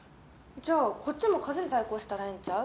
じゃあこっちも数で対抗したらええんちゃう？